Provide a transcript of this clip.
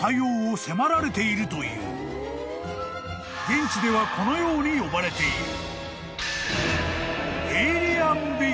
［現地ではこのように呼ばれている］